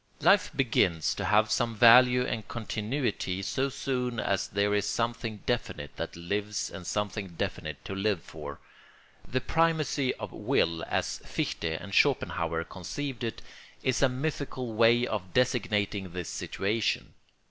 ] Life begins to have some value and continuity so soon as there is something definite that lives and something definite to live for. The primacy of will, as Fichte and Schopenhauer conceived it, is a mythical way of designating this situation.